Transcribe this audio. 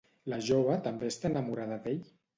La jove també està enamorada d'ell?